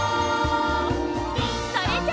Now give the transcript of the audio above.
それじゃ。